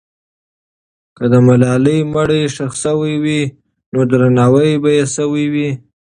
که د ملالۍ مړی ښخ سوی وي، نو درناوی به یې سوی وي.